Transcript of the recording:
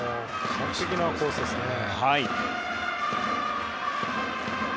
完璧なコースでしたね。